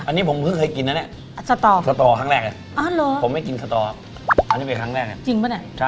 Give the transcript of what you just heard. อันนี้ผมเคยกินนั่นเนี่ยสตอครั้งแรกผมไม่กินสตออันนี้เป็นครั้งแรก